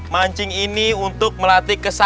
mancing ini untuk melatih kesah